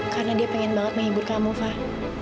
karena dia pengen banget menghibur kamu fah